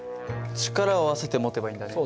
力を合わせて持てばいいんだね。